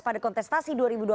pada kontestasi dua ribu dua puluh